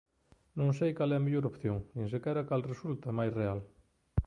Non sei cal é a mellor opción, nin sequera cal resulta máis real.